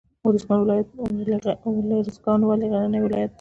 ارزګان ولې غرنی ولایت دی؟